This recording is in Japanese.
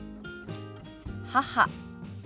「母」。